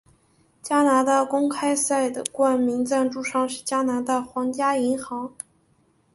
加拿大公开赛的冠名赞助商是加拿大皇家银行。